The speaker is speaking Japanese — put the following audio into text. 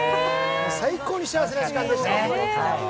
最高に幸せな時間でしたね。